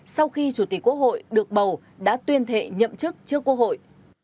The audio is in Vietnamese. sau khi chủ tịch quốc hội được bầu đã tuyên thệ nhậm chức trước quốc hội